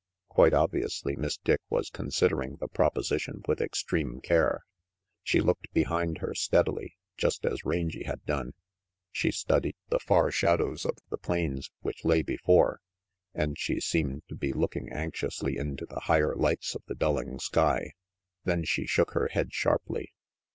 Quite obviously, Miss Dick was considering the proposition with extreme care. She looked behind her steadily, just as Rangy had done; she studied the far shadows of the plains which lay before, and she seemed to be looking anxiously into the higher lights of the dulling sky. Then she shook her head sharply.